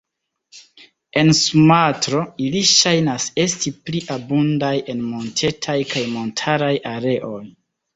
En Sumatro, ili ŝajnas esti pli abundaj en montetaj kaj montaraj areoj.